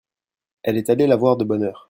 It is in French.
Elle est allée la voir de bonne heure.